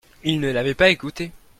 Ils ne l'avaient pas écouté.